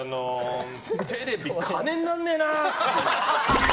テレビ金になんねーなー！